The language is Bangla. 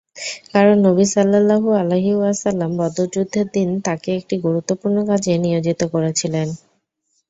কারণ নবী সাল্লাল্লাহু আলাইহি ওয়াসাল্লাম বদর যুদ্ধের দিন তাঁকে একটি গুরুত্বপূর্ণ কাজে নিয়োজিত করেছিলেন।